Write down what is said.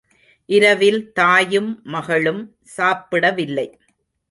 இரவில் தாயும், மகளும் சாப்பிடவில்லை.